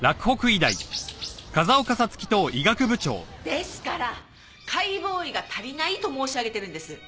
ですから解剖医が足りないと申し上げてるんです。